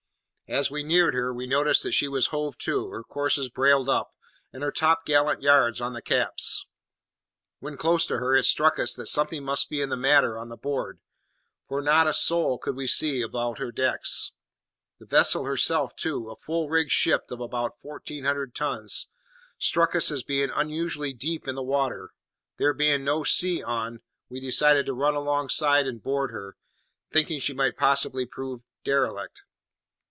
As we neared her, we noticed that she was hove to, her courses brailed up, and her topgallant yards on the caps. When close to her, it struck us that something must be the matter on board, for not a soul could we see about her decks. The vessel herself too a full rigged ship of about fourteen hundred tons struck us as being unusually deep in the water. There being no sea on, we decided to run alongside and board her, thinking she might possibly prove derelict.